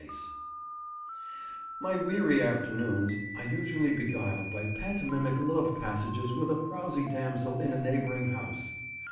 (An exhortation to repentance)] My weary afternoons I usually beguiled by pantomimic love passages with a frowsy damsel in a neighbouring house.